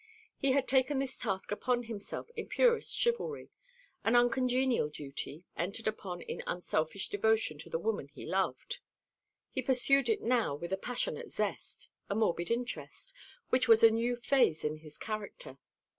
He had taken this task upon himself in purest chivalry, an uncongenial duty, entered upon in unselfish devotion to the woman he loved. He pursued it now with a passionate zest, a morbid interest, which was a new phase in his character.